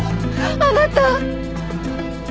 あなた！